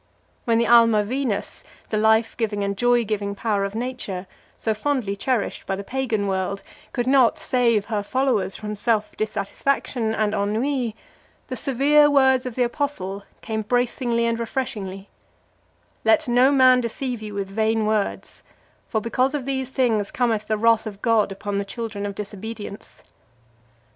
When the alma Venus, the life giving and joy giving power of nature, so fondly cherished by the Pagan world, could not save her followers from self dissatisfaction and ennui, the severe words of the apostle came bracingly and refreshingly: "Let no man deceive you with vain words, for because of these things cometh the wrath of God upon the children of disobedience."